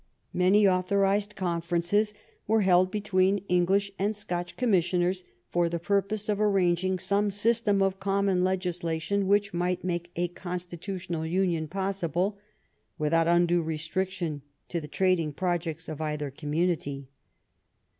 Many authorized conferences were held be tween English and Scotch commissioners for the pur pose of arranging some system of common legislation which might make a constitutional union possible without undue restriction to the trading projects of either community.